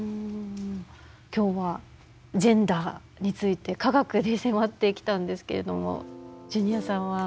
今日はジェンダーについて科学で迫ってきたんですけれどもジュニアさんは。